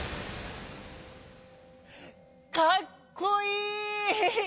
かっこいい！